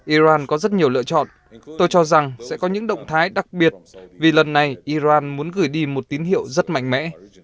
iran có rất nhiều lựa chọn tôi cho rằng sẽ có những động thái đặc biệt vì lần này iran muốn gửi đi một tín hiệu rất mạnh mẽ